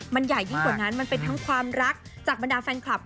มันใหญ่ยิ่งกว่านั้นมันเป็นทั้งความรักจากบรรดาแฟนคลับ